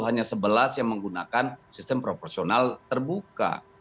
hanya sebelas yang menggunakan sistem proporsional terbuka